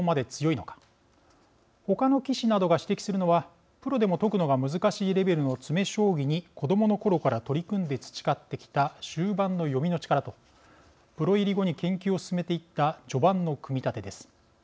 他の棋士などが指摘するのはプロでも解くのが難しいレベルの詰め将棋に子どものころから取り組んで培ってきた終盤の読みの力とプロ入り後に研究を進めていった序盤の組み立てです。